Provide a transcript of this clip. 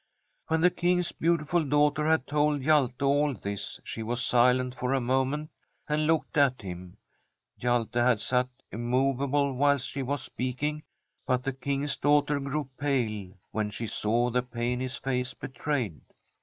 When the King's beautiful daughter had told Hjalte all this she was silent for a moment, and looked at him. Hjalte had sat immovable whilst she was speaking, but the King's daughter grew pale when she saw the pain his face betrayed.